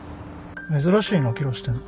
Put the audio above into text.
珍しいな切らしてんの